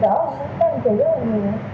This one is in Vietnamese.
thì mới cảm nhận được